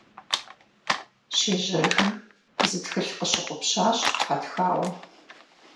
Щежьэжым, зы тхылъ къыщыгъупщащ хьэтхауэм.